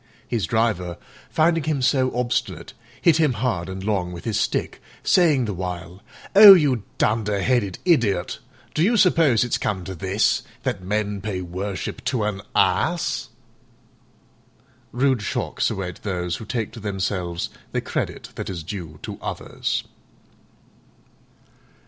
His driver, finding him so obstinate, hit him hard and long with his stick, saying the while, "Oh, you dunder headed idiot, do you suppose it's come to this, that men pay worship to an Ass?" Rude shocks await those who take to themselves the credit that is due to others.